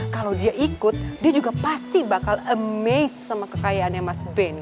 kalau dia ikut dia juga pasti bakal amazed sama kekayaannya mas benny